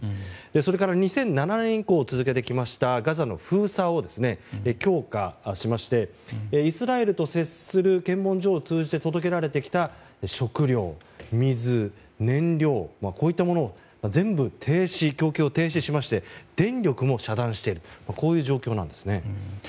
それから２００７年以降続けてきましたガザの封鎖を強化しましてイスラエルと接する検問所を通じて届けられてきた食料・水・燃料こういったものを全部供給を停止しまして電力も遮断してこういう状況なんですね。